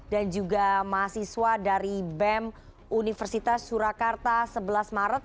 dan juga mahasiswa dari bem universitas surakarta sebelas maret